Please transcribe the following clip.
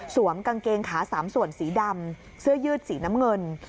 กางเกงขาสามส่วนสีดำเสื้อยืดสีน้ำเงิน